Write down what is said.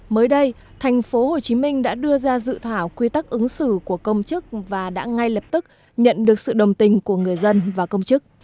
mới đây tp hcm đã đưa ra dự thảo quy tắc ứng xử của công chức và đã ngay lập tức nhận được sự đồng tình của người dân và công chức